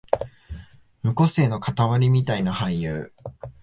無個性のかたまりみたいな俳優